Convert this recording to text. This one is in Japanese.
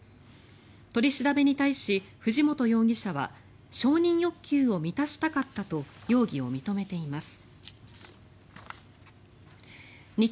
取り調べに対し藤本容疑者は承認欲求を満たしたかったと容疑を認めています。